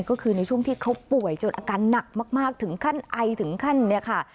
ก็คือในช่วงที่เขาป่วยจนอาการหนักมากถึงขั้นไอถึงขั้นเนี่ยค่ะ